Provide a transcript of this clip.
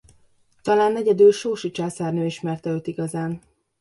Talán egyedül Sósi császárnő ismerte őt igazán.